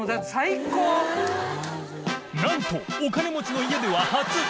覆鵑お金持ちの家では初！